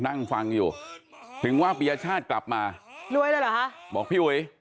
นั่งฟังอยู่ถึงว่าปียชาติกลับมารวยเลยเหรอคะบอกพี่อุ๋ย